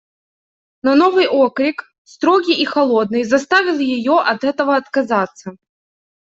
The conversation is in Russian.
Но новый окрик, строгий и холодный, заставил ее от этого отказаться.